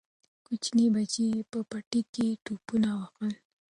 کوچني بچي یې په پټي کې ټوپونه وهل.